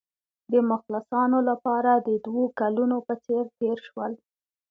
د مخلصانو لپاره د دوو کلونو په څېر تېر شول.